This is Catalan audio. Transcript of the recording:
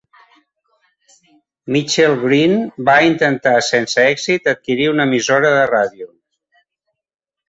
Michael Green va intentar sense èxit adquirir una emissora de ràdio.